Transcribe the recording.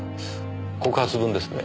告発文ですね。